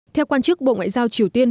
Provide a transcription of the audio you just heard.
theo quan chức bộ ngoại giao triều tiên